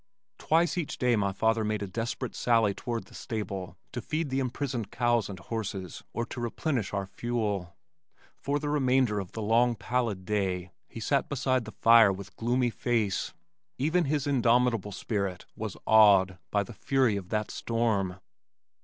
Twice each day my father made a desperate sally toward the stable to feed the imprisoned cows and horses or to replenish our fuel for the remainder of the long pallid day he sat beside the fire with gloomy face. Even his indomitable spirit was awed by the fury of that storm.